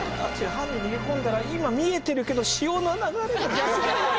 犯人逃げ込んだら今見えてるけど潮の流れが逆に。